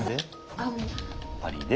パリィで。